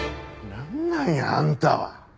なんなんやあんたは。